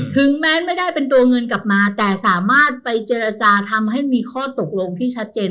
ถึงแม้ไม่ได้เป็นตัวเงินกลับมาแต่สามารถไปเจรจาทำให้มีข้อตกลงที่ชัดเจน